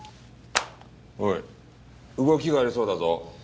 おい動きがありそうだぞ。